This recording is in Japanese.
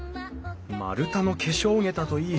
丸太の化粧桁といい